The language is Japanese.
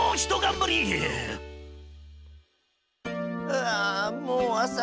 ふあもうあさか。